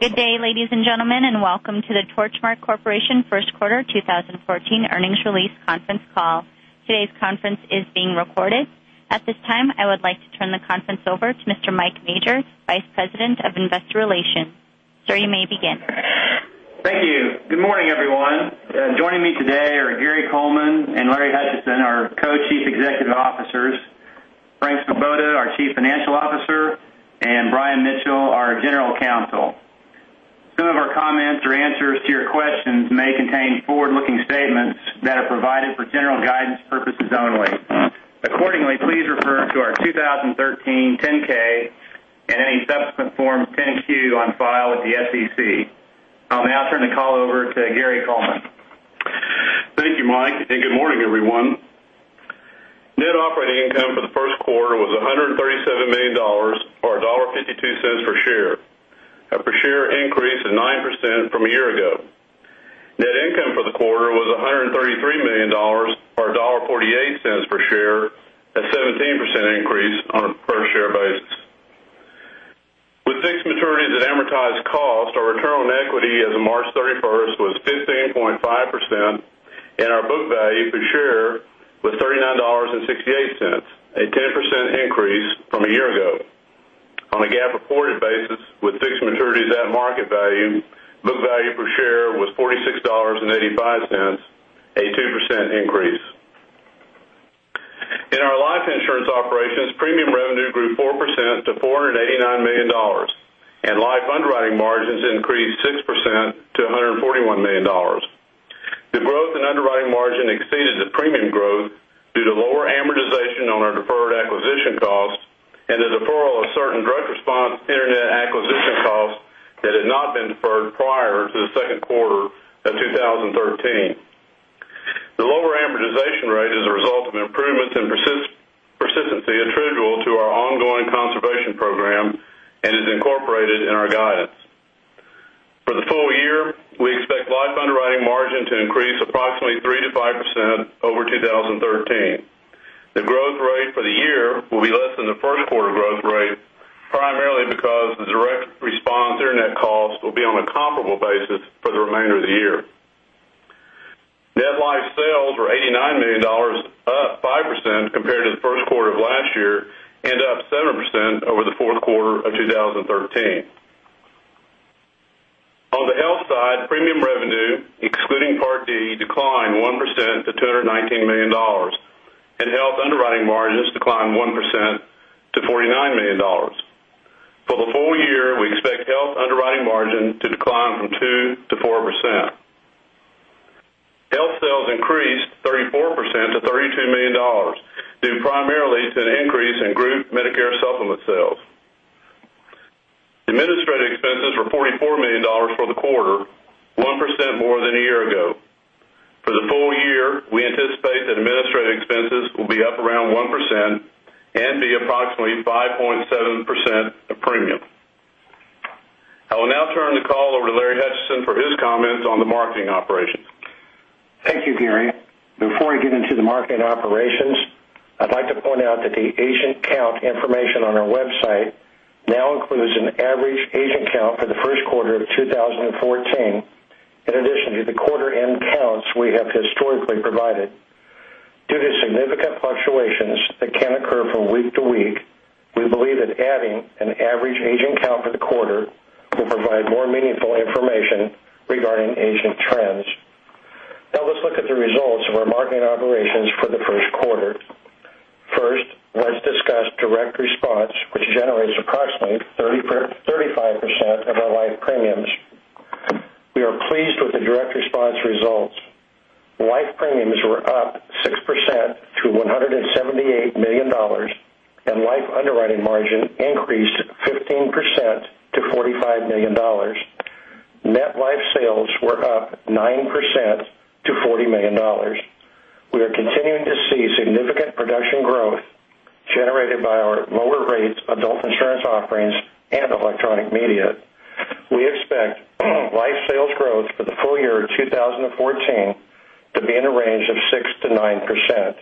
Good day, ladies and gentlemen, welcome to the Torchmark Corporation First Quarter 2014 Earnings Release Conference Call. Today's conference is being recorded. At this time, I would like to turn the conference over to Mr. Mike Majors, Vice President of Investor Relations. Sir, you may begin. Thank you. Good morning, everyone. Joining me today are Gary Coleman and Larry Hutchison, our Co-Chief Executive Officers, Frank Svoboda, our Chief Financial Officer, Brian Mitchell, our General Counsel. Some of our comments or answers to your questions may contain forward-looking statements that are provided for general guidance purposes only. Please refer to our 2013 10-K and any subsequent Form 10-Q on file with the SEC. I'll now turn the call over to Gary Coleman. Thank you, Mike, good morning, everyone. Net operating income for the first quarter was $137 million, or $1.52 per share, a per share increase of 9% from a year ago. Net income for the quarter was $133 million, or $1.48 per share, a 17% increase on a per share basis. With fixed maturities at amortized cost, our return on equity as of March 31st was 15.5%, our book value per share was $39.68, a 10% increase from a year ago. On a GAAP-reported basis, with fixed maturities at market value, book value per share was $46.85, a 2% increase. In our life insurance operations, premium revenue grew 4% to $489 million, life underwriting margins increased 6% to $141 million. The growth in underwriting margin exceeded the premium growth due to lower amortization on our deferred acquisition costs and the deferral of certain direct response internet acquisition costs that had not been deferred prior to the second quarter of 2013. The lower amortization rate is a result of improvements in persistency attributable to our ongoing conservation program and is incorporated in our guidance. For the full year, we expect life underwriting margin to increase approximately 3%-5% over 2013. The growth rate for the year will be less than the first quarter growth rate, primarily because the direct response internet cost will be on a comparable basis for the remainder of the year. Net life sales were $89 million, up 5% compared to the first quarter of last year, up 7% over the fourth quarter of 2013. On the health side, premium revenue, excluding Part D, declined 1% to $219 million, and health underwriting margins declined 1% to $49 million. For the full year, we expect health underwriting margin to decline from 2%-4%. Health sales increased 34% to $32 million, due primarily to an increase in group Medicare Supplement sales. Administrative expenses were $44 million for the quarter, 1% more than a year ago. For the full year, we anticipate that administrative expenses will be up around 1% and be approximately 5.7% of premium. I will now turn the call over to Larry Hutchison for his comments on the marketing operations. Thank you, Gary. Before I get into the marketing operations, I'd like to point out that the agent count information on our website now includes an average agent count for the first quarter of 2014, in addition to the quarter end counts we have historically provided. Due to significant fluctuations that can occur from week to week, we believe that adding an average agent count for the quarter will provide more meaningful information regarding agent trends. Let's look at the results of our marketing operations for the first quarter. First, let's discuss direct response, which generates approximately 35% of our life premiums. We are pleased with the direct response results. Life premiums were up 6% to $178 million, and life underwriting margin increased 15% to $45 million. Net life sales were up 9% to $40 million. We are continuing to see significant production growth generated by our lower rates, adult insurance offerings, and electronic media. We expect life sales growth for the full year 2014 to be in the range of 6%-9%.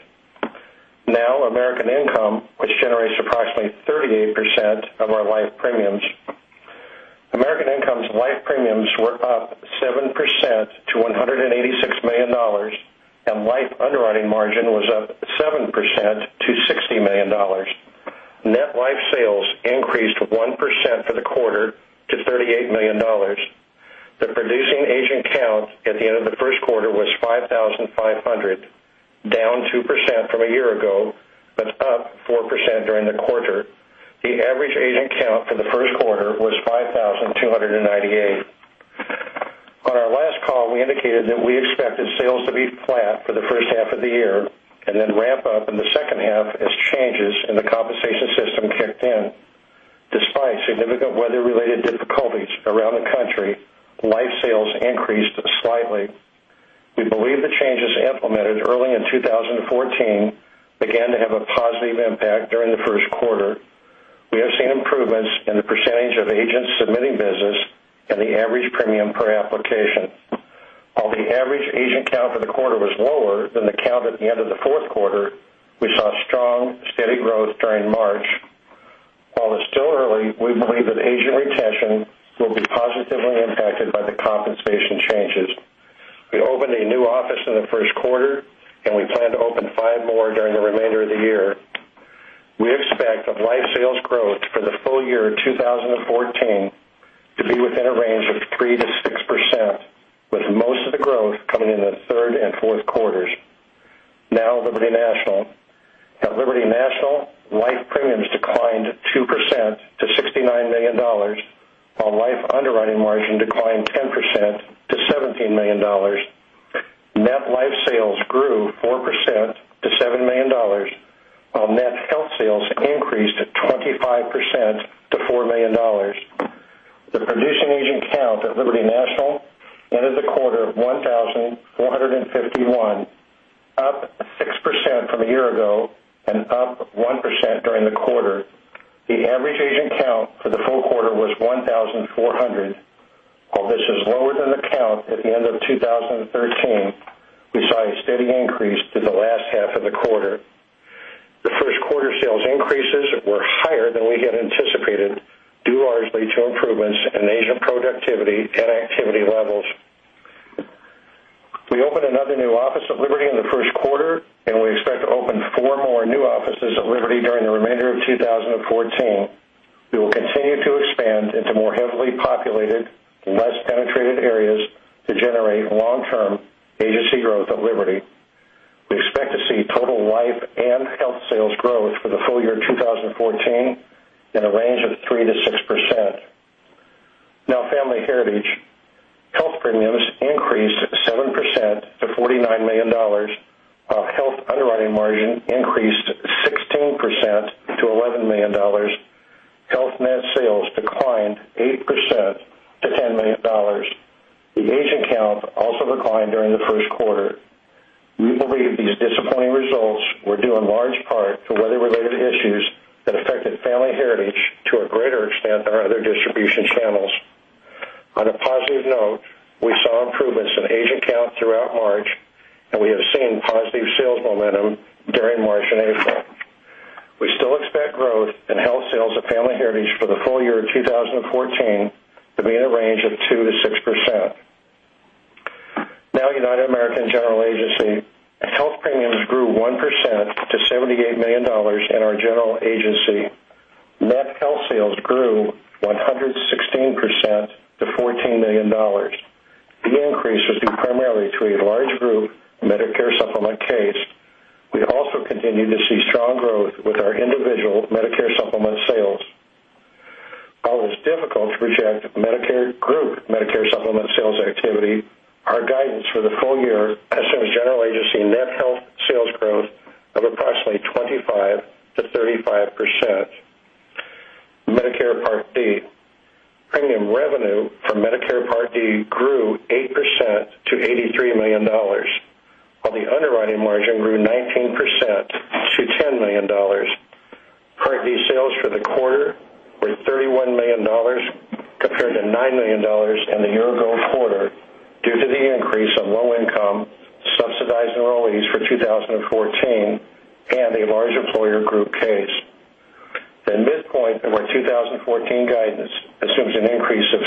American Income, which generates approximately 38% of our life premiums. American Income's life premiums were up 7% to $186 million, and life underwriting margin was up 7% to $60 million. Net life sales increased 1% for the quarter to $38 million. The producing agent count at the end of the first quarter was 5,500, down 2% from a year ago, but up 4% during the quarter. The average agent count for the first quarter was 5,298. On our last call, we indicated that we expected sales to be flat for the first half of the year and then ramp up in the second half as changes in the compensation system kicked in. Despite significant weather-related difficulties around the country, life sales increased slightly. We believe the changes implemented early in 2014 began to have a positive impact during the first quarter. We have seen improvements in the percentage of agents submitting business and the average premium per application. While the average agent count for the quarter was lower than the count at the end of the fourth quarter, we saw strong, steady growth during March. While it's still early, we believe that agent retention will be positively impacted by the compensation changes. We opened a new office in the first quarter, and we plan to open five more during the remainder of the year. We expect life sales growth for the full year 2014 to be within a range of 3%-6%, with most of the growth coming in the third and fourth quarters. Now, Liberty National. At Liberty National, life premiums declined 2% to $69 million, while life underwriting margin declined 10% to $17 million. Net life sales grew 4% to $7 million, while net health sales increased 25% to $4 million. The producing agent count at Liberty National ended the quarter of 1,451, up 6% from a year ago and up 1% during the quarter. The average agent count for the full quarter was 1,400. While this is lower than the count at the end of 2013, we saw a steady increase through the last half of the quarter. The first quarter sales increases were higher than we had anticipated, due largely to improvements in agent productivity and activity levels. We opened another new office of Liberty in the first quarter, and we expect to open four more new offices at Liberty during the remainder of 2014. We will continue to expand into more heavily populated, less penetrated areas to generate long-term agency growth at Liberty. We expect to see total life and health sales growth for the full year 2014 in a range of 3%-6%. Now, Family Heritage. Health premiums increased 7% to $49 million, while health underwriting margin increased 16% to $11 million. Health net sales declined 8% to $10 million. The agent count also declined during the first quarter. We believe these disappointing results were due in large part to weather-related issues that affected Family Heritage to a greater extent than our other distribution channels. On a positive note, we saw improvements in agent count throughout March, and we have seen positive sales momentum during March and April. We still expect growth in health sales at Family Heritage for the full year 2014 to be in a range of 2%-6%. Now, United American General Agency. Health premiums grew 1% to $78 million in our General Agency. Net health sales grew 116% to $14 million. The increase was due primarily to a large group Medicare Supplement case. We also continue to see strong growth with our individual Medicare Supplement sales. While it is difficult to project group Medicare Supplement sales activity, our guidance for the full year assumes General Agency net health sales growth of approximately 25%-35%. Medicare Part D. Premium revenue for Medicare Part D grew 8% to $83 million, while the underwriting margin grew 19% to $10 million. Part D sales for the quarter were $31 million compared to $9 million in the year-ago quarter due to the increase of low-income subsidized enrollees for 2014 and a large employer group case. The midpoint of our 2014 guidance assumes an increase of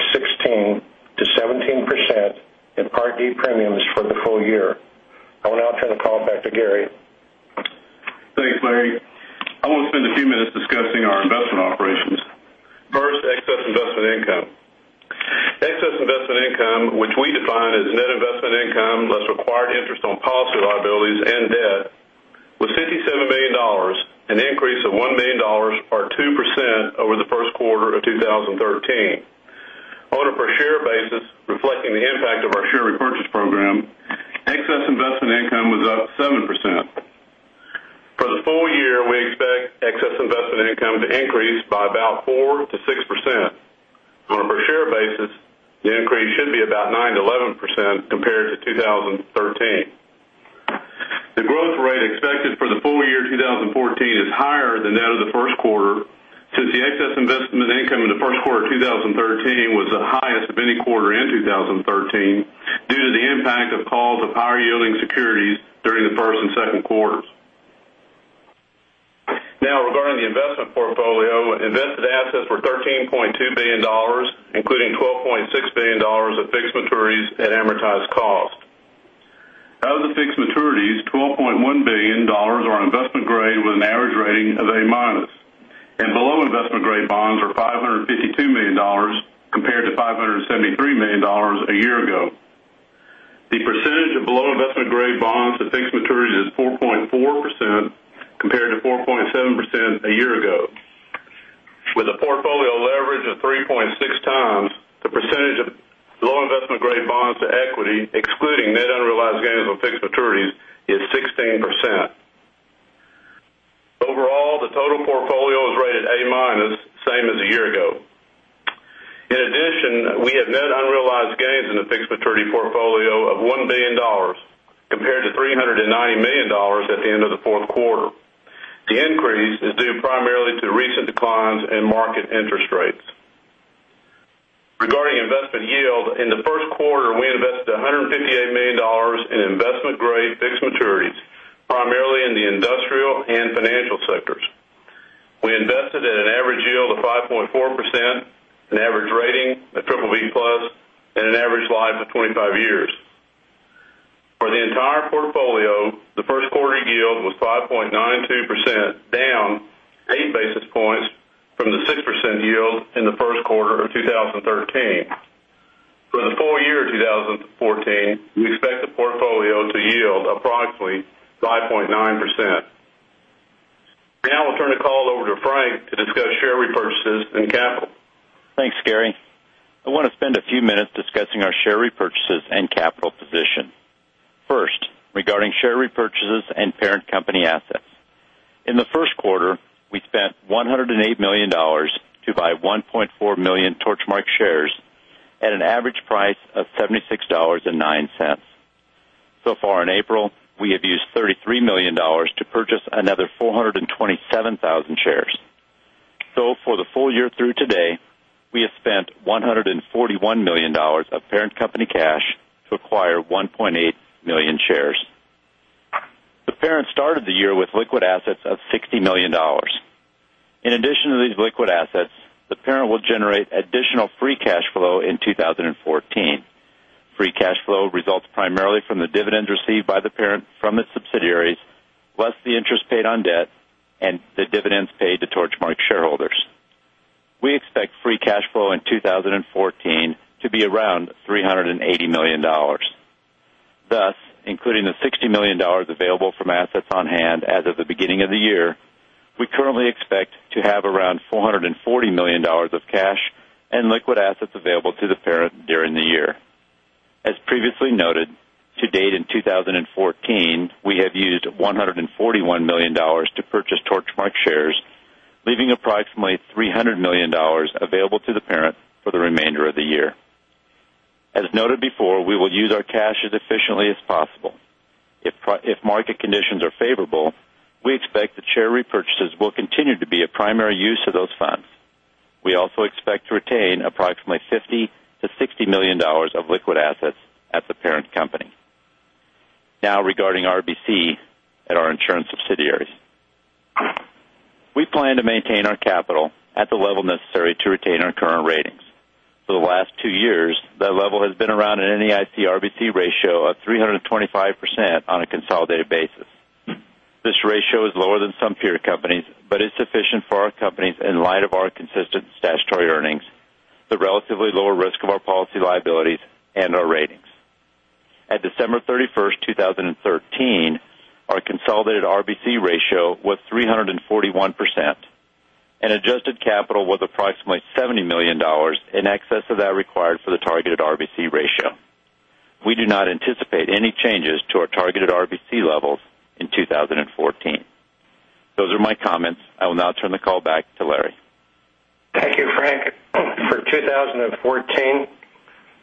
16%-17% in Part D premiums for the full year. I will now turn the call back to Gary. Thanks, Larry. I want to spend a few minutes discussing our investment operations. First, excess investment income. Excess investment income, which we define as net investment income, less required interest on policy liabilities and debt, was $57 million, an increase of $1 million or 2% over the first quarter of 2013. On a per share basis, reflecting the impact of our share repurchase program, excess investment income was up 7%. For the full year, we expect excess investment income to increase by about 4%-6%. On a per share basis, the increase should be about 9%-11% compared to 2013. The growth rate expected for the full year 2014 is higher than that of the first quarter, since the excess investment income in the first quarter of 2013 was the highest of any quarter in 2013 due to the impact of calls of higher-yielding securities during the first and second quarters. Regarding the investment portfolio, invested assets were $13.2 billion, including $12.6 billion of fixed maturities at amortized cost. Out of the fixed maturities, $12.1 billion are investment grade with an average rating of A-minus, and below investment-grade bonds are $552 million compared to $573 million a year ago. The percentage of below investment-grade bonds to fixed maturities is 4.4% compared to 4.7% a year ago. With a portfolio leverage of 3.6 times, the percentage of below investment-grade bonds to equity, excluding net unrealized gains on fixed maturities, is 16%. Overall, the total portfolio was rated A-minus, same as a year ago. In addition, we have net unrealized gains in the fixed maturity portfolio of $1 billion. The fourth quarter. The increase is due primarily to recent declines in market interest rates. Regarding investment yield, in the first quarter, we invested $158 million in investment-grade fixed maturities, primarily in the industrial and financial sectors. We invested at an average yield of 5.4%, an average rating at BBB+, and an average life of 25 years. For the entire portfolio, the first quarter yield was 5.92%, down eight basis points from the 6% yield in the first quarter of 2013. For the full year 2014, we expect the portfolio to yield approximately 5.9%. I'll turn the call over to Frank to discuss share repurchases and capital. Thanks, Gary. I want to spend a few minutes discussing our share repurchases and capital position. First, regarding share repurchases and parent company assets. In the first quarter, we spent $108 million to buy 1.4 million Torchmark shares at an average price of $76.09. So far in April, we have used $33 million to purchase another 427,000 shares. For the full year through today, we have spent $141 million of parent company cash to acquire 1.8 million shares. The parent started the year with liquid assets of $60 million. In addition to these liquid assets, the parent will generate additional free cash flow in 2014. Free cash flow results primarily from the dividends received by the parent from its subsidiaries, plus the interest paid on debt and the dividends paid to Torchmark shareholders. We expect free cash flow in 2014 to be around $380 million. Thus, including the $60 million available from assets on hand as of the beginning of the year, we currently expect to have around $440 million of cash and liquid assets available to the parent during the year. As previously noted, to date in 2014, we have used $141 million to purchase Torchmark shares, leaving approximately $300 million available to the parent for the remainder of the year. As noted before, we will use our cash as efficiently as possible. If market conditions are favorable, we expect that share repurchases will continue to be a primary use of those funds. We also expect to retain approximately $50 million-$60 million of liquid assets at the parent company. Now, regarding RBC at our insurance subsidiaries. We plan to maintain our capital at the level necessary to retain our current ratings. For the last two years, that level has been around an NAIC RBC ratio of 325% on a consolidated basis. This ratio is lower than some peer companies, but is sufficient for our companies in light of our consistent statutory earnings, the relatively lower risk of our policy liabilities, and our ratings. At December 31st, 2013, our consolidated RBC ratio was 341%, and adjusted capital was approximately $70 million in excess of that required for the targeted RBC ratio. We do not anticipate any changes to our targeted RBC levels in 2014. Those are my comments. I will now turn the call back to Larry. Thank you, Frank. For 2014,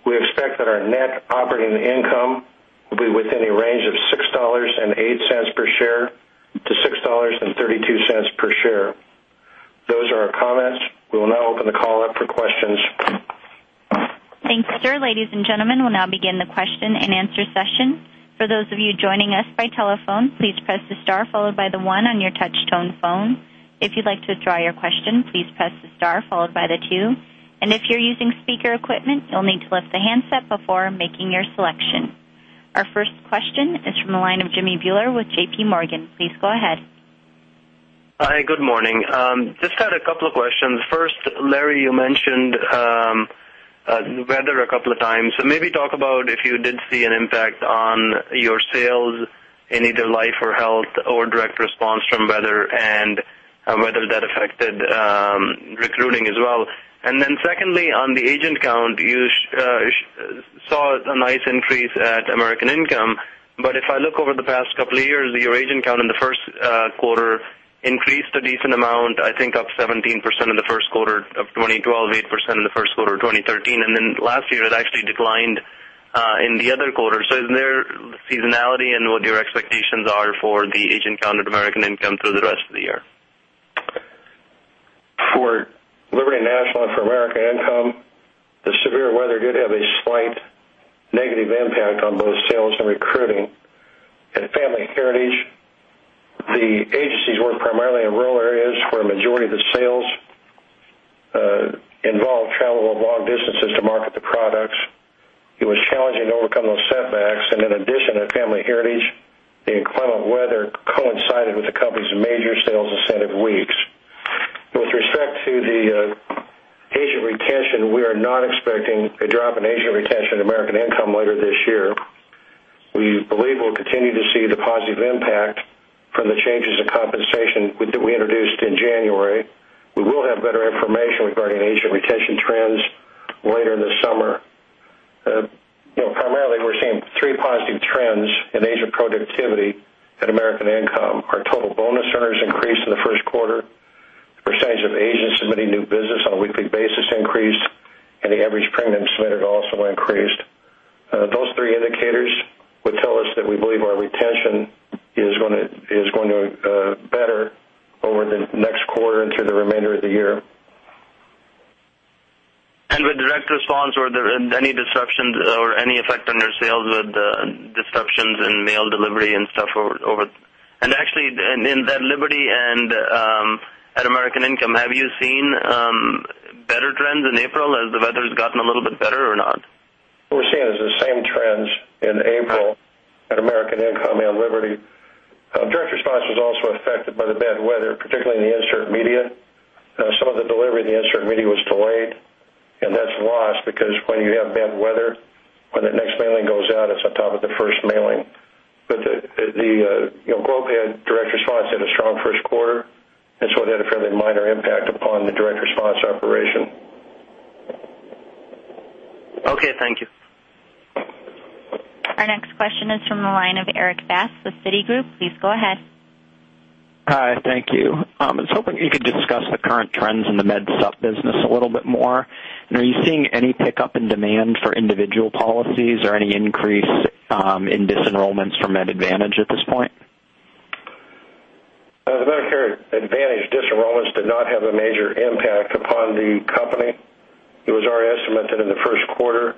we expect that our net operating income will be within a range of $6.08 per share to $6.32 per share. Those are our comments. We will now open the call up for questions. Thanks, sir. Ladies and gentlemen, we'll now begin the question-and-answer session. For those of you joining us by telephone, please press the star followed by the 1 on your touchtone phone. If you'd like to withdraw your question, please press the star followed by the 2. If you're using speaker equipment, you'll need to lift the handset before making your selection. Our first question is from the line of Jimmy Bhullar with J.P. Morgan. Please go ahead. Hi, good morning. Just had a couple of questions. First, Larry, you mentioned weather a couple of times. Maybe talk about if you did see an impact on your sales in either life or health or direct response from weather and whether that affected recruiting as well. Secondly, on the agent count, you saw a nice increase at American Income. If I look over the past couple of years, your agent count in the first quarter increased a decent amount, I think up 17% in the first quarter of 2012, 8% in the first quarter of 2013, then last year it actually declined in the other quarters. Is there seasonality in what your expectations are for the agent count at American Income through the rest of the year? For Liberty National and for American Income, the severe weather did have a slight negative impact on both sales and recruiting. At Family Heritage, the agencies work primarily in rural areas where a majority of the sales involve travel of long distances to market the products. It was challenging to overcome those setbacks, in addition at Family Heritage, the inclement weather coincided with the company's major sales incentive weeks. With respect to the agent retention, we are not expecting a drop in agent retention at American Income later this year. We believe we'll continue to see the positive impact from the changes in compensation that we introduced in January. We will have better information regarding agent retention trends later this summer. Primarily, we're seeing three positive trends in agent productivity at American Income. Our total bonus earners increased in the first quarter. Percentage of agents submitting new business on a weekly basis increased, the average premium submitted on- Those three indicators would tell us that we believe our retention is going to better over the next quarter into the remainder of the year. Were there any disruptions or any effect on your sales with the disruptions in mail delivery and stuff? Actually, in Liberty and at American Income, have you seen better trends in April as the weather's gotten a little bit better or not? What we're seeing is the same trends in April at American Income and Liberty. Direct response was also affected by the bad weather, particularly in the insert media. Some of the delivery of the insert media was delayed, and that's lost because when you have bad weather, when the next mailing goes out, it's on top of the first mailing. Globe Direct Response had a strong first quarter, so that had a fairly minor impact upon the direct response operation. Okay. Thank you. Our next question is from the line of Erik Bass with Citigroup. Please go ahead. Hi. Thank you. I was hoping you could discuss the current trends in the Med Supp business a little bit more. Are you seeing any pickup in demand for individual policies or any increase in disenrollments from Medicare Advantage at this point? The Medicare Advantage disenrollments did not have a major impact upon the company. It was already estimated in the first quarter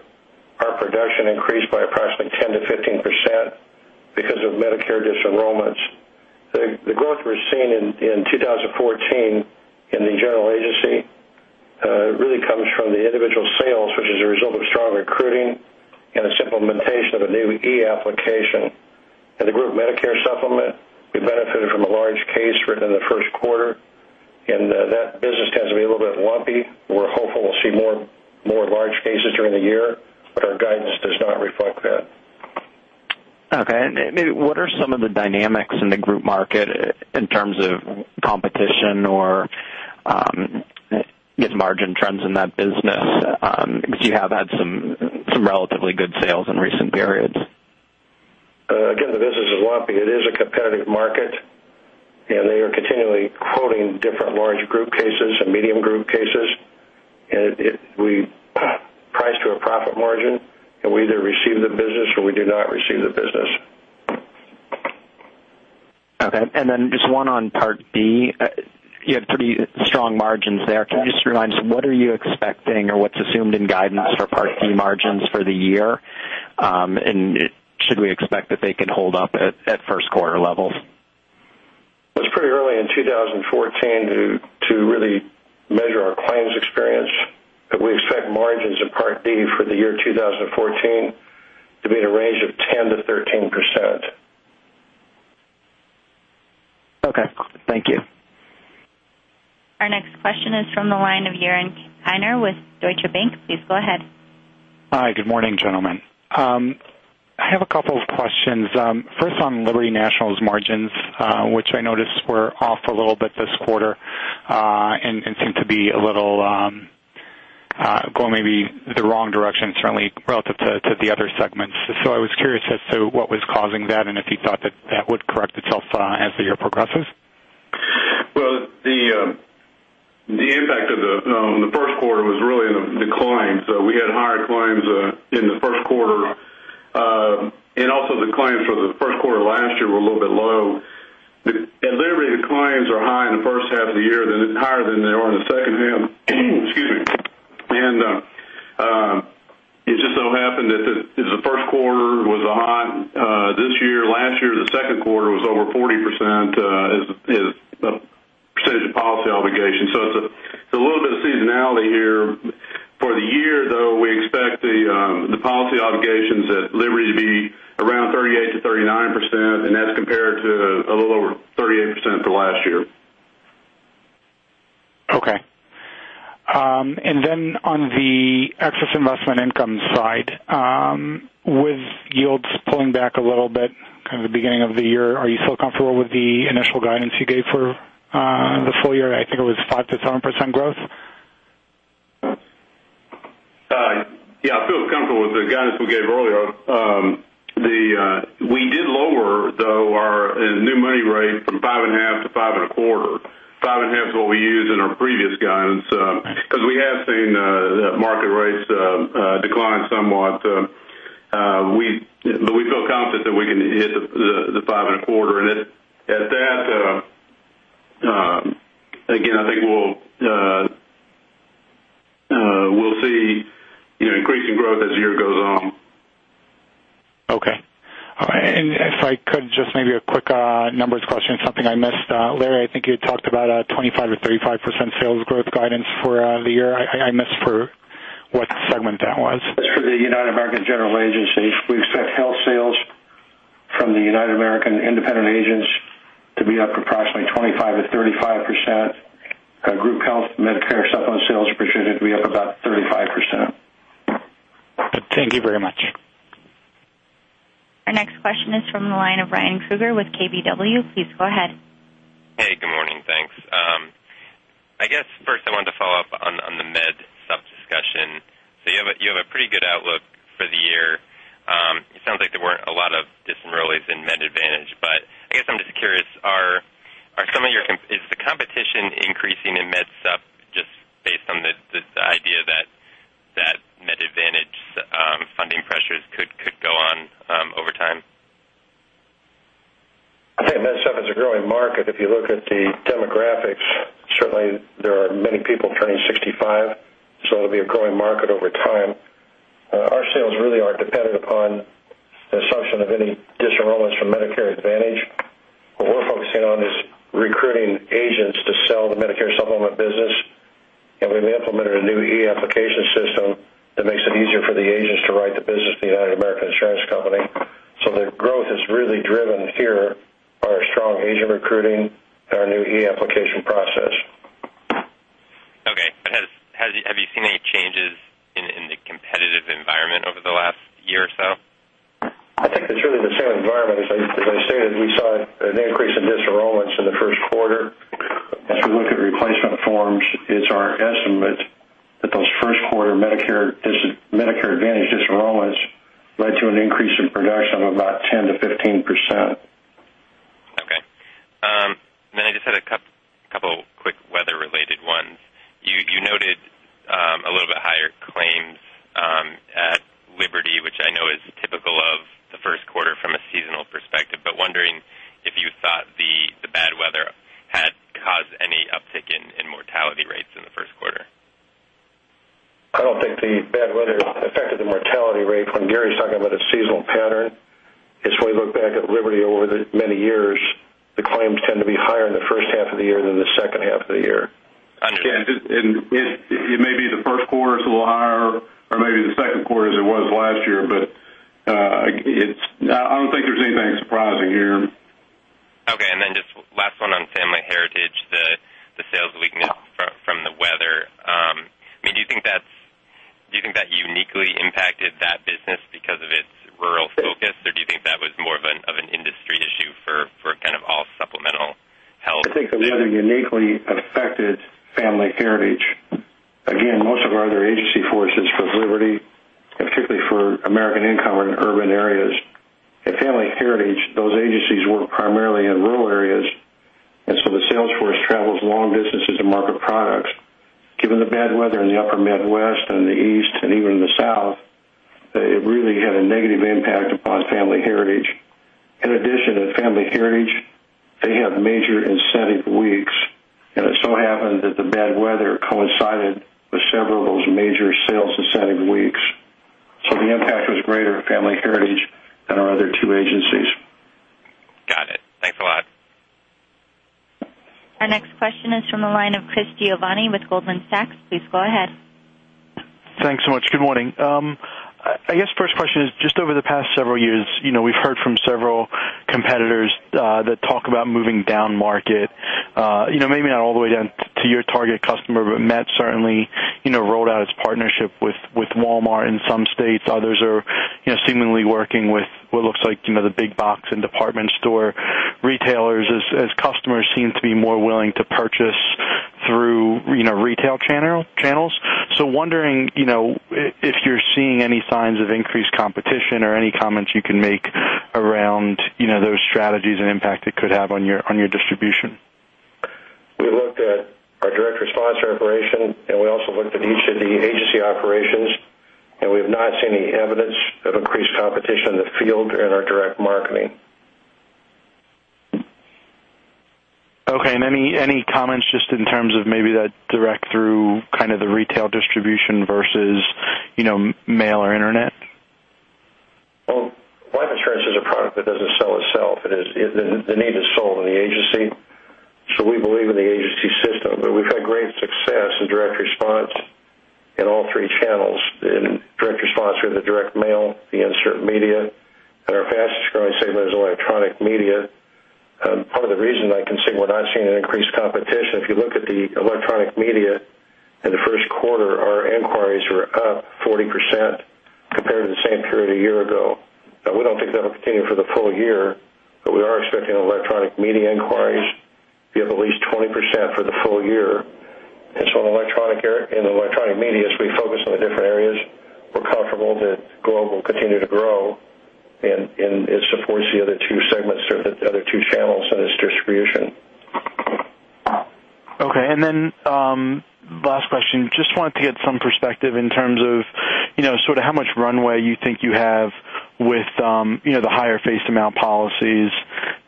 our production increased by approximately 10%-15% because of Medicare disenrollments. The growth we're seeing in 2014 in the general agency really comes from the individual sales, which is a result of strong recruiting and the implementation of a new e-application. In the group Medicare Supplement, we benefited from a large case written in the first quarter, that business tends to be a little bit lumpy. We're hopeful we'll see more large cases during the year, our guidance does not reflect that. Okay. Maybe what are some of the dynamics in the group market in terms of competition or just margin trends in that business? You have had some relatively good sales in recent periods. Again, the business is lumpy. It is a competitive market, they are continually quoting different large group cases and medium group cases. We price to a profit margin, and we either receive the business or we do not receive the business. Just one on Part D. You have pretty strong margins there. Can you just remind us, what are you expecting or what's assumed in guidance for Part D margins for the year? Should we expect that they can hold up at first quarter levels? It's pretty early in 2014 to really measure our claims experience. We expect margins in Part D for the year 2014 to be in a range of 10%-13%. Okay. Thank you. Our next question is from the line of Yaron Kinar with Deutsche Bank. Please go ahead. Hi. Good morning, gentlemen. I have a couple of questions. First, on Liberty National's margins, which I noticed were off a little bit this quarter, and seem to be going maybe the wrong direction, certainly relative to the other segments. I was curious as to what was causing that and if you thought that that would correct itself as the year progresses. Well, the impact of the first quarter was really in the decline. We had higher claims in the first quarter. Also the claims for the first quarter last year were a little bit low. At Liberty, the claims are high in the first half of the year, then it's higher than they are in the second half. Excuse me. It just so happened that the first quarter was high this year. Last year, the second quarter was over 40% as a percentage of policy obligation. It's a little bit of seasonality here. For the year, though, we expect the policy obligations at Liberty to be around 38%-39%, and that's compared to a little over 38% for last year. Okay. On the excess investment income side, with yields pulling back a little bit kind of the beginning of the year, are you still comfortable with the initial guidance you gave for the full year? I think it was 5%-7% growth. Yeah, I feel comfortable with the guidance we gave earlier. We did lower, though, our new money rate from 5.5% to 5.25%. 5.5% is what we used in our previous guidance because we have seen the market rates decline somewhat. We feel confident that we can hit the 5.25%. At that, again, I think we'll see increasing growth as the year goes on. If I could, just maybe a quick numbers question, something I missed. Larry, I think you had talked about a 25%-35% sales growth guidance for the year. I missed for what segment that was. That's for the United American General Agency. We expect health sales from the United American independent agents to be up approximately 25%-35%. Group health Medicare Supplement sales are projected to be up about 35%. Thank you very much. Our next question is from the line of Ryan Krueger with KBW. Please go ahead. Hey, good morning. Thanks. I guess first I wanted to follow up on the Med Supp discussion. You have a pretty good outlook for the year. It sounds like there weren't a lot of This idea that Medicare Advantage funding pressures could go on over time. I think Med Supp is a growing market. If you look at the demographics, certainly there are many people turning 65, so it'll be a growing market over time. Our sales really aren't dependent upon the assumption of any disenrollments from Medicare Advantage. What we're focusing on is recruiting agents to sell the Medicare Supplement business, and we've implemented a new e-application system that makes it easier for the agents to write the business of the United American Insurance Company. The growth is really driven here by our strong agent recruiting and our new e-application process. Okay. Have you seen any changes in the competitive environment over the last year or so? I think it's really the same environment. As I stated, we saw an increase in disenrollments in the first quarter. As we look at replacement forms, it's our estimate that those first-quarter Medicare Advantage disenrollments led to an increase in production of about 10%-15%. Okay. I just had a couple quick weather-related ones. You noted a little bit higher claims at Liberty, which I know is typical of the first quarter from a seasonal perspective, but wondering if you thought the bad weather had caused any uptick in mortality rates in the first quarter. I don't think the bad weather affected the mortality rate. When Gary's talking about a seasonal pattern, it's when we look back at Liberty over the many years, the claims tend to be higher in the first half of the year than the second half of the year. Understood. It may be the first quarter is a little higher, or maybe the second quarter as it was last year, but I don't think there's anything surprising here. Okay. Just last one on Family Heritage, the sales weakness from the weather. Do you think that uniquely impacted that business because of its rural focus, or do you think that was more of an industry issue for kind of all supplemental health? I think the weather uniquely affected Family Heritage. Again, most of our other agency force is for Liberty and particularly for American Income are in urban areas. The sales force travels long distances to market products. Given the bad weather in the upper Midwest and the East and even the South, it really had a negative impact upon Family Heritage. In addition, at Family Heritage, they have major incentive weeks, it so happened that the bad weather coincided with several of those major sales incentive weeks. The impact was greater at Family Heritage than our other two agencies. Got it. Thanks a lot. Our next question is from the line of Chris Giovanni with Goldman Sachs. Please go ahead. Thanks so much. Good morning. I guess first question is just over the past several years, we've heard from several competitors that talk about moving down market. Maybe not all the way down to your target customer, but Met certainly rolled out its partnership with Walmart in some states. Others are seemingly working with what looks like the big box and department store retailers as customers seem to be more willing to purchase through retail channels. Wondering if you're seeing any signs of increased competition or any comments you can make around those strategies and impact it could have on your distribution. We looked at our direct response operation, we also looked at each of the agency operations, we have not seen any evidence of increased competition in the field in our direct marketing. Okay, any comments just in terms of maybe that direct through kind of the retail distribution versus mail or internet? Well, life insurance is a product that doesn't sell itself. The need is sold in the agency, we believe in the agency system. We've had great success in direct response in all three channels, in direct response through the direct mail, the insert media. Our fastest-growing segment is electronic media. Part of the reason I can say we're not seeing an increased competition, if you look at the electronic media in the first quarter, our inquiries were up 40% compared to the same period a year ago. We don't think that'll continue for the full year, but we are expecting electronic media inquiries to be up at least 20% for the full year. In electronic media, as we focus on the different areas, we're comfortable that Globe will continue to grow, it supports the other two segments or the other two channels in its distribution. Okay, last question. Just wanted to get some perspective in terms of sort of how much runway you think you have with the higher face amount policies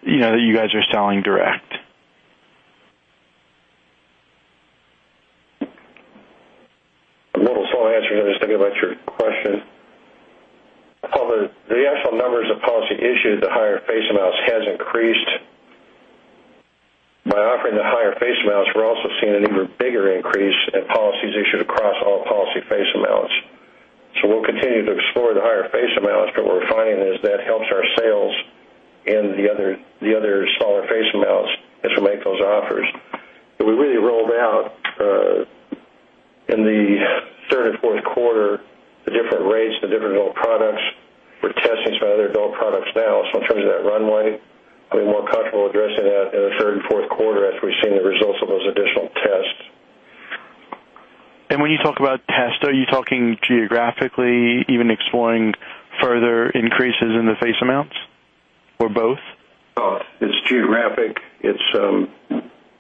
that you guys are selling direct. A little slow answering. I'm just thinking about your question. Although the actual numbers of policy issued at the higher face amounts has increased, by offering the higher face amounts, we're also seeing an even bigger increase in policies issued across all policy face amounts. We'll continue to explore the higher face amounts, but we're finding is that helps our sales in the other smaller face amounts as we make those offers. We really rolled out, in the third and fourth quarter, the different rates, the different adult products. We're testing some other adult products now. In terms of that runway, I'd be more comfortable addressing that in the third and fourth quarter after we've seen the results of those additional tests. When you talk about tests, are you talking geographically, even exploring further increases in the face amounts or both? It's geographic, it's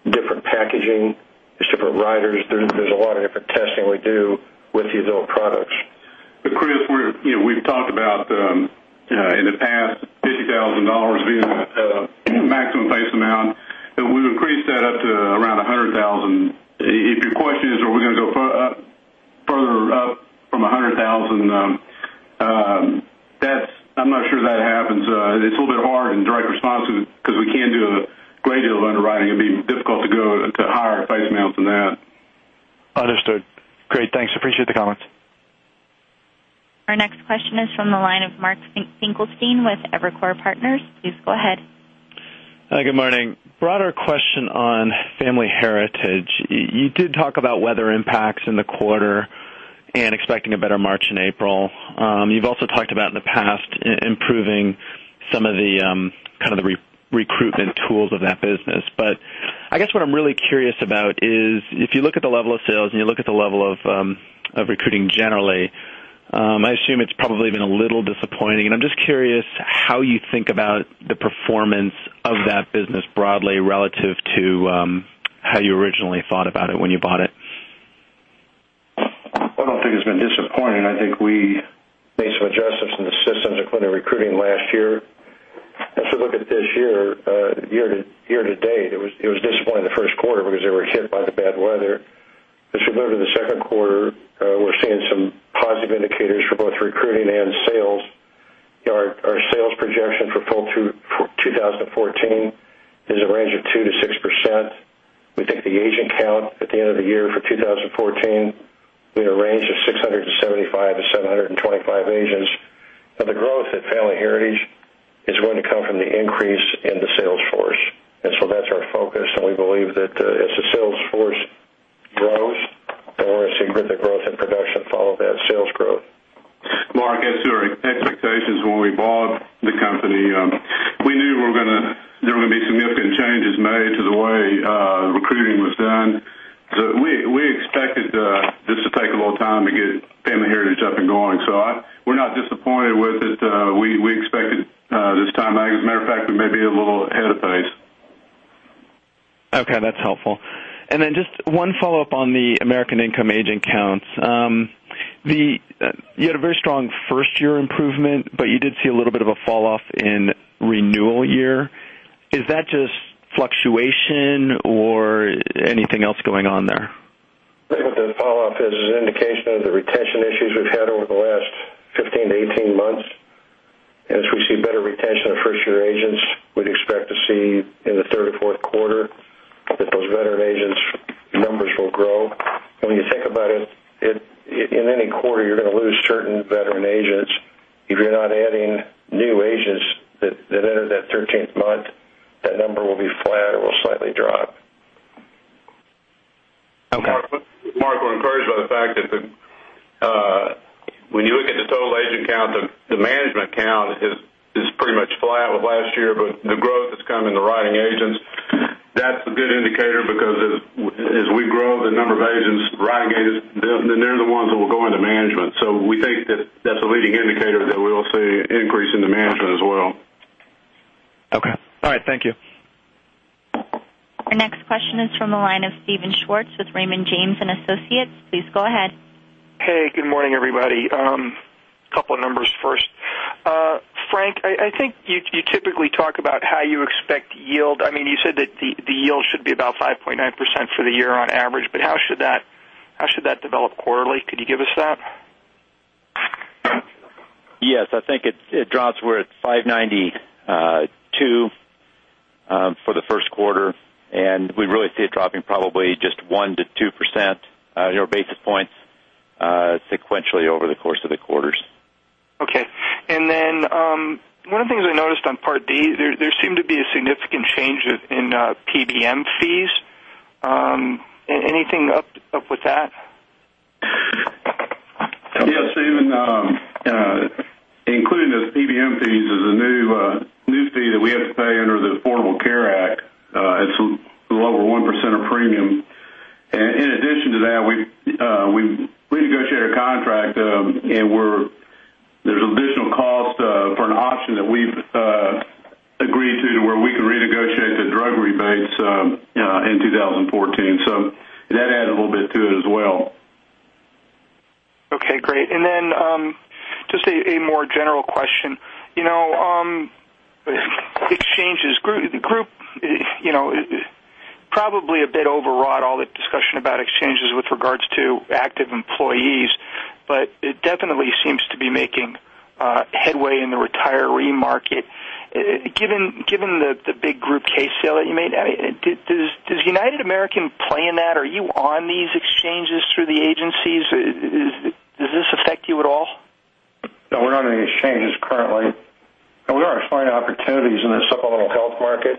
different packaging, it's different riders. There's a lot of different testing we do with these AIL products. Chris, we've talked about in the past $50,000 being the maximum face amount, and we've increased that up to around $100,000. If your question is, are we going to go further up from $100,000, I'm not sure that happens. It's a little bit hard in direct response because we can't do a great deal of underwriting. It'd be difficult to go to higher face amounts than that. Understood. Great. Thanks. Appreciate the comments. Our next question is from the line of Mark Finkelstein with Evercore Partners. Please go ahead. Hi. Good morning. Broader question on Family Heritage. You did talk about weather impacts in the quarter and expecting a better March and April. You've also talked about in the past, improving some of the recruitment tools of that business. I guess what I'm really curious about is if you look at the level of sales and you look at the level of recruiting generally, I assume it's probably been a little disappointing, and I'm just curious how you think about the performance of that business broadly relative to how you originally thought about it when you bought it. I don't think it's been disappointing. I think we made some adjustments in the systems, including recruiting last year. As we look at this year-to-date, it was disappointing the first quarter because they were hit by the bad weather. As we move to the second quarter, we're seeing some positive indicators for both recruiting and sales. Our sales projection for full 2014 is a range of 2%-6%. We think the agent count at the end of the year for 2014 in a range of 675-725 agents. The growth at Family Heritage is going to come from the increase in the sales force. That's our focus, and we believe that as the sales force grows, that we're going to see greater growth in production follow that sales growth. Mark, as to our expectations when we bought the company, we knew there were going to be significant changes made to the way recruiting was done. We expected this to take a little time to get Family Heritage up and going. We're not disappointed with it. We expected this timeline. As a matter of fact, we may be a little ahead of pace. Okay, that's helpful. Just one follow-up on the American Income agent counts. You had a very strong first-year improvement, you did see a little bit of a fall off in renewal year. Is that just fluctuation or anything else going on there? I think what the fall off is an indication of the retention issues we've had over the last 15-18 months. As we see better retention of first-year agents, we'd expect to see in the third or fourth quarter that those veteran agent numbers will grow. When you think about it, in any quarter, you're going to lose certain veteran agents. If you're not adding new agents that enter that 13th month, that number will be flat or will slightly drop. Okay. Mark, we're encouraged by the fact that when you look at the total agent count, the management count is pretty much flat with last year, but the growth has come in the writing agents. That's a good indicator because as we grow the number of agents, writing agents, they're the ones that will go into management. We think that that's a leading indicator that we'll see an increase in the management as well. Okay. All right. Thank you. Our next question is from the line of Steven Schwartz with Raymond James & Associates. Please go ahead. Hey, good morning, everybody. Couple of numbers first. Frank, I think you typically talk about how you expect yield. You said that the yield should be about 5.9% for the year on average, but how should that develop quarterly? Could you give us that? Yes. I think it drops. We're at 592 for the first quarter, and we really see it dropping probably just 1% to 2% basis points sequentially over the course of the quarters. Okay. Then one of the things I noticed on Part D, there seemed to be a significant change in PBM fees. Anything up with that? Yes, Steven. Including those PBM fees is a new fee that we have to pay under the Affordable Care Act. It's a little over 1% of premium. In addition to that, we renegotiated a contract, and there's additional cost for an option that we've agreed to where we can renegotiate the drug rebates in 2014. That adds a little bit to it as well. Okay, great. Just a more general question. Exchanges. The group probably a bit overwrought all the discussion about exchanges with regards to active employees, but it definitely seems to be making headway in the retiree market. Given the big group case sale that you made, does United American play in that? Are you on these exchanges through the agencies? Does this affect you at all? No, we're not on any exchanges currently. We are exploring opportunities in the supplemental health market.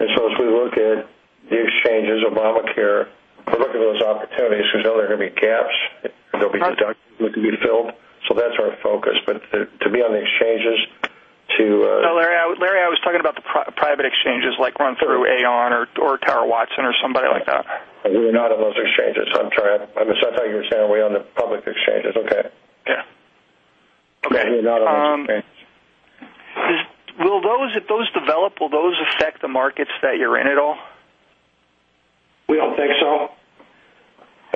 As we look at the exchanges, Obamacare, we're looking at those opportunities because we know there are going to be gaps and there'll be deductibles that can be filled. That's our focus. No, Larry, I was talking about the private exchanges like run through Aon or Towers Watson or somebody like that. We are not on those exchanges. I'm sorry. I thought you were saying are we on the public exchanges. Okay. Okay. We're not on those plans. If those develop, will those affect the markets that you're in at all? We don't think so.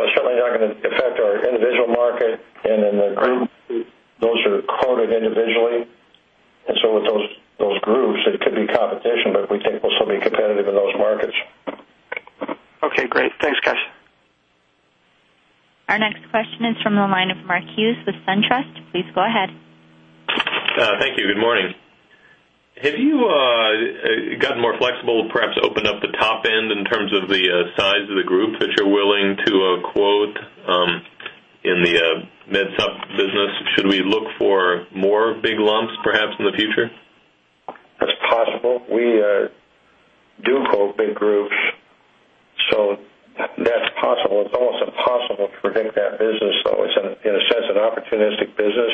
It's certainly not going to affect our individual market and in the group, those are quoted individually. With those groups, it could be competition, but we think we'll still be competitive in those markets. Okay, great. Thanks, guys. Our next question is from the line of Mark Hughes with SunTrust. Please go ahead. Thank you. Good morning. Have you gotten more flexible, perhaps opened up the top end in terms of the size of the group that you're willing to quote in the Med Supp business? Should we look for more big lumps, perhaps in the future? That's possible. We do quote big groups, that's possible. It's almost impossible to predict that business, though. It's, in a sense, an opportunistic business,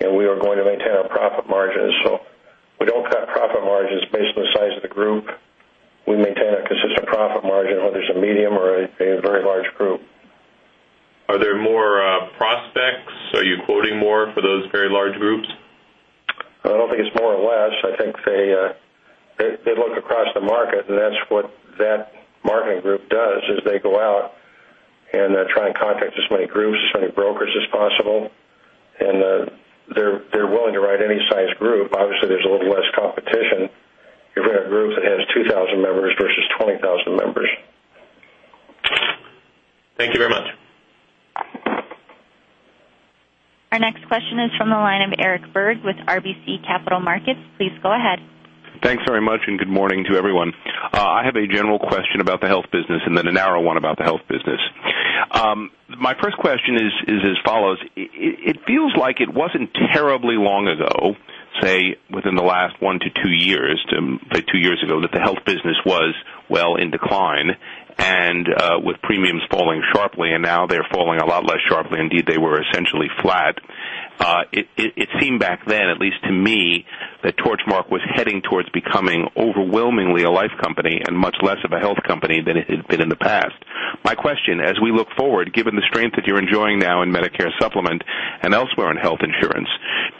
and we are going to maintain our profit margins. We don't cut profit margins based on the size of the group. We maintain a consistent profit margin, whether it's a medium or a very large group. Are there more prospects? Are you quoting more for those very large groups? I don't think it's more or less. I think they look across the market, and that's what that marketing group does, is they go out and try and contact as many groups, as many brokers as possible, and they're willing to write any size group. Obviously, there's a little less competition if you're in a group that has 2,000 members versus 20,000 members. Thank you very much. Our next question is from the line of Eric Berg with RBC Capital Markets. Please go ahead. Thanks very much. Good morning to everyone. I have a general question about the health business and then a narrow one about the health business. My first question is as follows. It feels like it wasn't terribly long ago, say, within the last one to two years, that the health business was well in decline and with premiums falling sharply, and now they're falling a lot less sharply. Indeed, they were essentially flat. It seemed back then, at least to me, that Torchmark was heading towards becoming overwhelmingly a life company and much less of a health company than it had been in the past. My question, as we look forward, given the strength that you're enjoying now in Medicare Supplement and elsewhere in health insurance,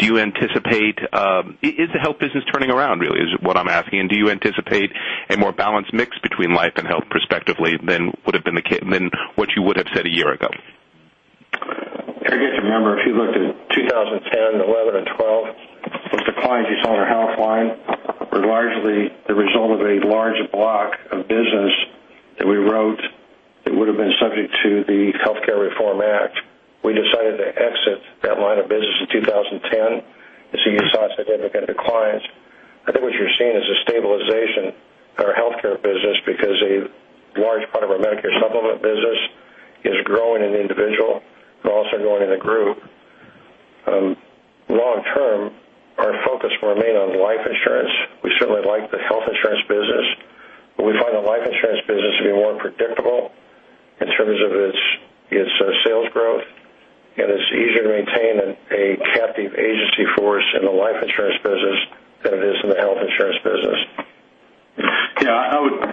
is the health business turning around really? Is what I'm asking. Do you anticipate a more balanced mix between life and health prospectively than what you would have said a year ago? You have to remember, if you looked at 2010, 2011, and 2012, those declines you saw in our health line were largely the result of a large block of business that we wrote that would've been subject to the Affordable Care Act. We decided to exit that line of business in 2010. So you saw a significant decline. I think what you're seeing is a stabilization in our healthcare business because a large part of our Medicare Supplement business is growing in individual and also growing in the group. Long term, our focus will remain on life insurance. We certainly like the health insurance business, but we find the life insurance business to be more predictable in terms of its sales growth. It's easier to maintain a captive agency force in the life insurance business than it is in the health insurance business. Yeah, I would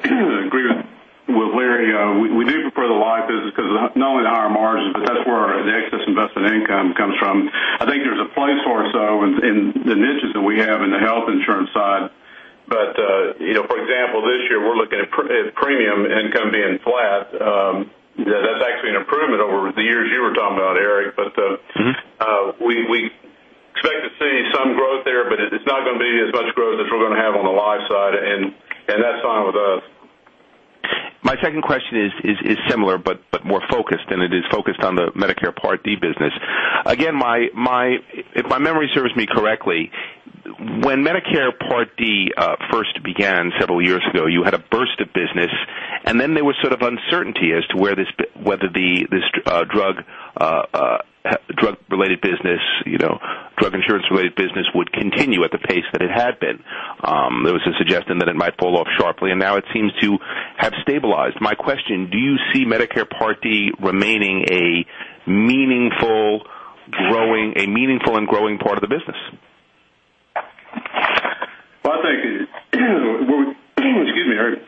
agree with Larry. We do prefer the life business because not only the higher margins, but that's where the excess investment income comes from. I think there's a place for us though in the niches that we have in the health insurance side. For example, this year we're looking at premium income being flat. That's actually an improvement over the years you were talking about, Eric. We expect to see some growth there, it's not going to be as much growth as we're going to have on the life side, and that's fine with us. My second question is similar but more focused, and it is focused on the Medicare Part D business. Again, if my memory serves me correctly, when Medicare Part D first began several years ago, you had a burst of business, and then there was sort of uncertainty as to whether this drug-related business, drug insurance-related business would continue at the pace that it had been. There was a suggestion that it might fall off sharply, and now it seems to have stabilized. My question, do you see Medicare Part D remaining a meaningful and growing part of the business? Well, I think, excuse me, Eric.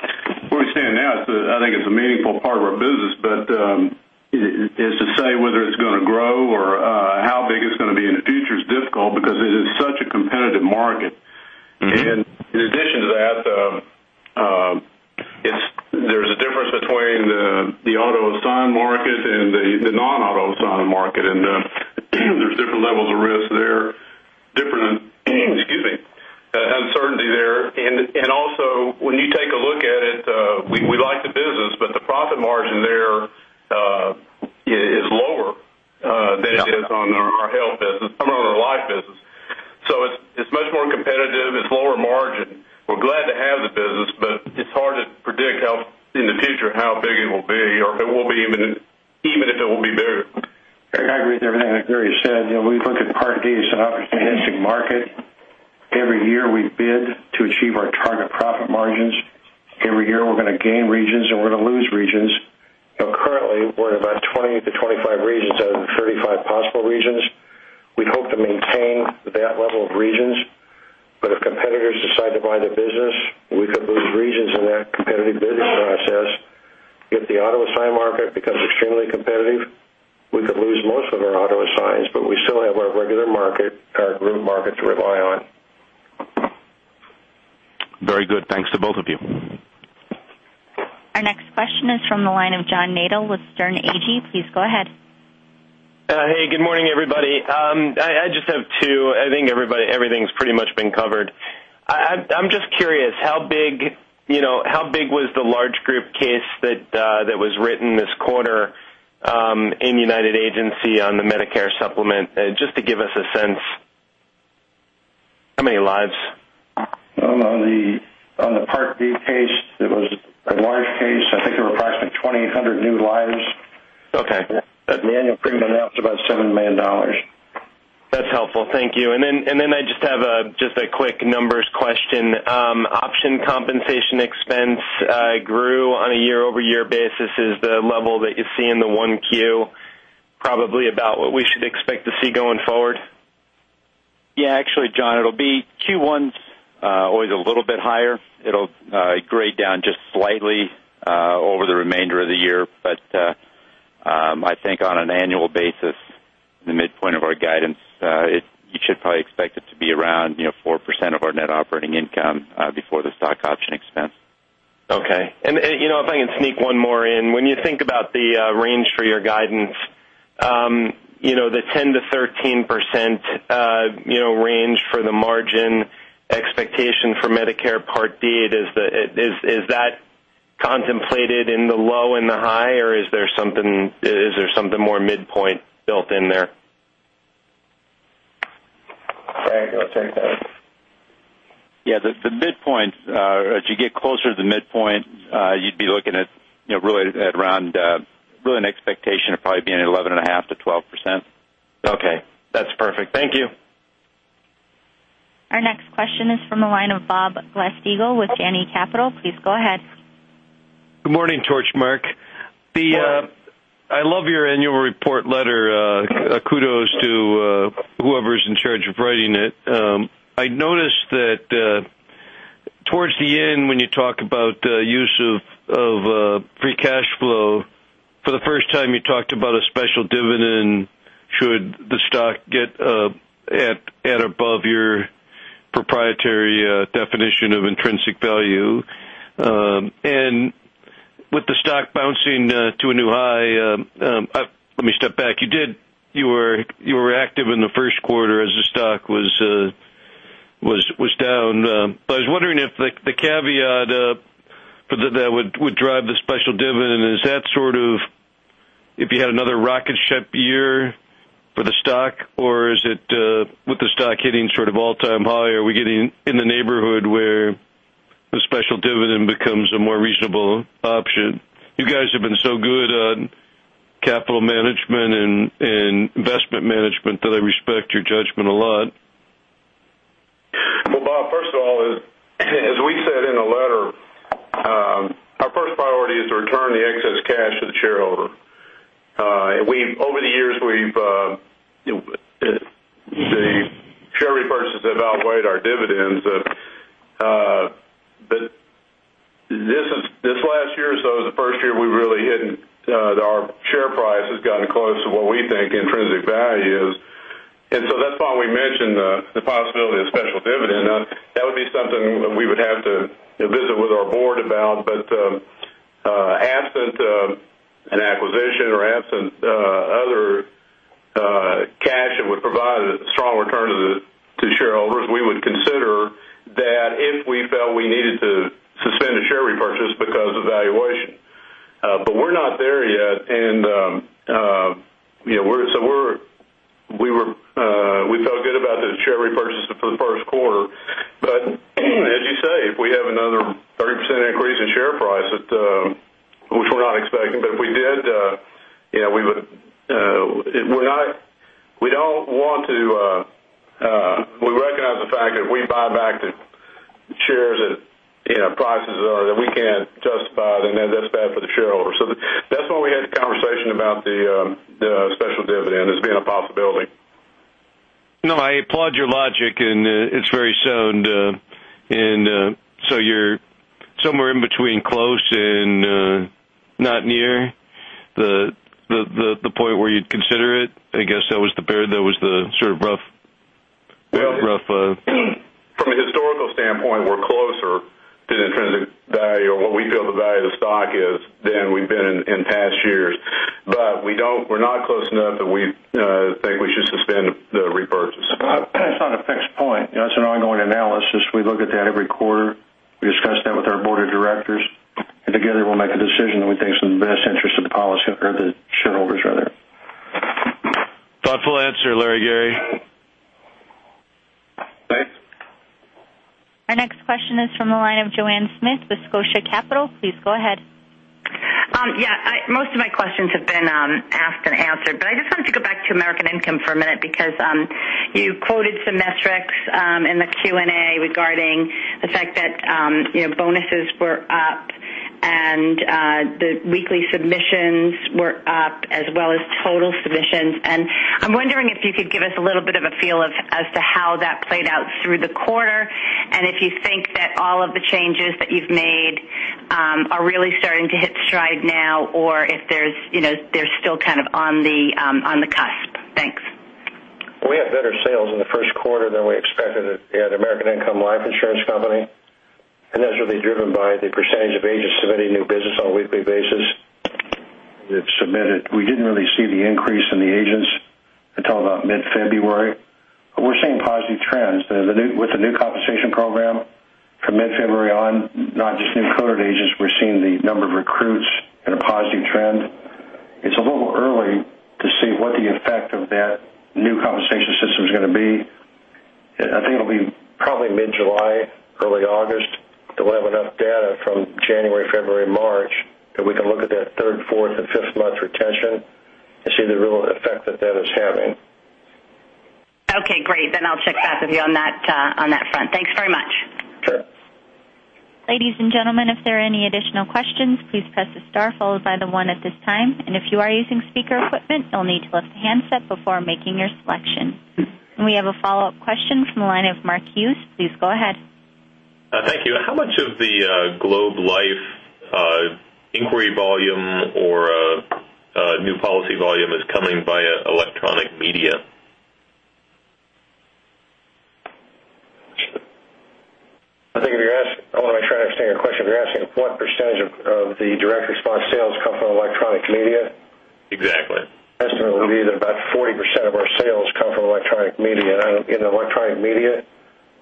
Where we stand now, I think it's a meaningful part of our business. To say whether it's going to grow or how big it's going to be in the future is difficult because it is such a competitive market. In addition to that, there's a difference between the auto-assign market and the non-auto-assign market, there's different levels of risk there, different, excuse me, uncertainty there. Also when you take a look at it, we like the business, the profit margin there is lower than it is on our life business. It's much more competitive. It's lower margin. We're glad to have the business, it's hard to predict in the future how big it will be or if it will be bigger. Eric, I agree with everything that Larry said. We look at Part D as an opportunistic market. Every year, we bid to achieve our target profit margins. Every year, we're going to gain regions and we're going to lose regions. Currently, we're in about 20-25 regions out of the 35 possible regions. We hope to maintain that level of regions. If competitors decide to buy the business, we could lose regions in that competitive business line. If the auto assign market becomes extremely competitive, we could lose most of our auto assigns, but we still have our regular market, our group market to rely on. Very good. Thanks to both of you. Our next question is from the line of John Nadel with Sterne Agee. Please go ahead. Hey, good morning, everybody. I just have two. I think everything's pretty much been covered. I'm just curious, how big was the large group case that was written this quarter in United Agency on the Medicare Supplement? Just to give us a sense, how many lives? On the Part D case, it was a large case. I think there were approximately 2,800 new lives. Okay. The annual premium announced about $7 million. That's helpful. Thank you. I just have a quick numbers question. Option compensation expense grew on a year-over-year basis. Is the level that you see in the 1Q probably about what we should expect to see going forward? Yeah, actually, John, it'll be Q1's always a little bit higher. It'll grade down just slightly over the remainder of the year. I think on an annual basis, the midpoint of our guidance, you should probably expect it to be around 4% of our net operating income before the stock option expense. Okay. If I can sneak one more in, when you think about the range for your guidance, the 10%-13% range for the margin expectation for Medicare Part D, is that contemplated in the low and the high, or is there something more midpoint built in there? Larry, go check that. Yeah, as you get closer to the midpoint, you'd be looking at really an expectation of probably being at 11.5%-12%. Okay. That's perfect. Thank you. Our next question is from the line of Bob Glasspiegel with Janney Capital. Please go ahead. Good morning, Globe Life. Morning. I love your annual report letter. Kudos to whoever's in charge of writing it. I noticed that towards the end, when you talk about use of free cash flow, for the first time you talked about a special dividend should the stock get at above your proprietary definition of intrinsic value. With the stock bouncing to a new high-- let me step back. You were active in the first quarter as the stock was down. I was wondering if the caveat that would drive the special dividend, is that sort of if you had another rocket ship year for the stock, or is it with the stock hitting sort of all-time high, are we getting in the neighborhood where the special dividend becomes a more reasonable option? You guys have been so good on capital management and investment management that I respect your judgment a lot. Well, Bob, first of all, as we said in the letter, our first priority is to return the excess cash to the shareholder. Over the years, the share repurchases have outweighed our dividends. This last year or so is the first year our share price has gotten close to what we think intrinsic value is. That's why we mentioned the possibility of special dividend. That would be something we would have to visit with our board about. Absent an acquisition or absent other cash that would provide a strong return to shareholders, we would consider that if we felt we needed to suspend a share repurchase because of valuation. We're not there yet. We felt good about the share repurchase for the first quarter. As you say, if we have another 30% increase in share price, which we're not expecting, but if we did, we recognize the fact that if we buy back the shares at prices that we can't justify, then that's bad for the shareholders. That's why we had the conversation about the special dividend as being a possibility. I applaud your logic, and it's very sound. You're somewhere in between close and not near the point where you'd consider it? I guess that was. From a historical standpoint, we're closer to the intrinsic value or what we feel the value of the stock is than we've been in past years. We're not close enough that we think we should suspend the repurchase. It's not a fixed point. It's an ongoing analysis. We look at that every quarter. We discuss that with our board of directors, together we'll make a decision that we think is in the best interest of the policyholder, the shareholders, rather. Thoughtful answer, Larry and Gary. Thanks. Our next question is from the line of Joanne Smith with Scotia Capital. Please go ahead. Yeah. Most of my questions have been asked and answered. I just wanted to go back to American Income for a minute because you quoted some metrics in the Q&A regarding the fact that bonuses were up and the weekly submissions were up as well as total submissions. I'm wondering if you could give us a little bit of a feel as to how that played out through the quarter. If you think that all of the changes that you've made are really starting to hit stride now or if they're still on the cusp. Thanks. We have better sales in the first quarter than we expected at American Income Life Insurance Company, that's really driven by the percentage of agents submitting new business on a weekly basis. We didn't really see the increase in the agents until about mid-February. We're seeing positive trends. With the new compensation program from mid-February on, not just new colored agents, we're seeing the number of recruits in a positive trend. It's a little early to see what the effect of that new compensation system is going to be. I think it'll be probably mid-July, early August, that we'll have enough data from January, February, March, that we can look at that third, fourth, and fifth month retention and see the real effect that is having. Okay, great. I'll check back with you on that front. Thanks very much. Sure. Ladies and gentlemen, if there are any additional questions, please press the star followed by the one at this time. If you are using speaker equipment, you'll need to lift the handset before making your selection. We have a follow-up question from the line of Mark Hughes. Please go ahead. Thank you. How much of the Globe Life inquiry volume or new policy volume is coming via electronic media? I want to make sure I understand your question. You're asking what percentage of the direct response sales come from electronic media? Exactly. Estimate would be that about 40% of our sales come from electronic media. In electronic media,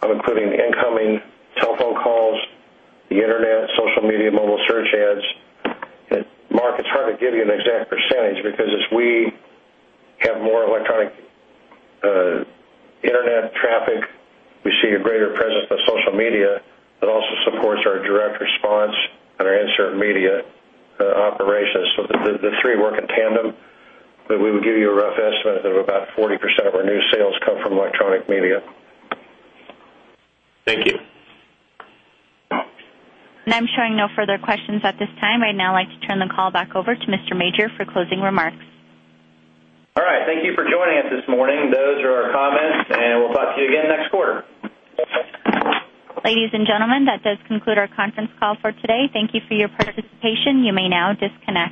I'm including incoming telephone calls, the internet, social media, mobile search ads. Mark, it's hard to give you an exact percentage because as we have more electronic internet traffic, we see a greater presence on social media that also supports our direct response and our insert media operations. The three work in tandem. We would give you a rough estimate of about 40% of our new sales come from electronic media. Thank you. I'm showing no further questions at this time. I'd now like to turn the call back over to Mr. Major for closing remarks. All right. Thank you for joining us this morning. Those are our comments, and we'll talk to you again next quarter. Ladies and gentlemen, that does conclude our conference call for today. Thank you for your participation. You may now disconnect.